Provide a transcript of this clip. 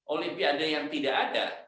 olimpiade yang tidak ada